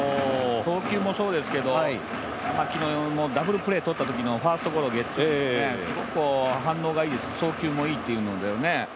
投球もそうですけどダブルプレーをとったときのファウルとゲッツー、すごく反応がいい、送球もいいというので。